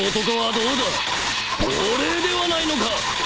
亡霊ではないのか！